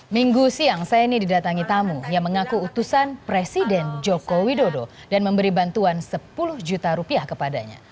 minggu siang saini didatangi tamu yang mengaku utusan presiden joko widodo dan memberi bantuan sepuluh juta rupiah kepadanya